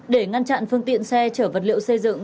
để ngăn chặn phương tiện xe chở vật liệu xây dựng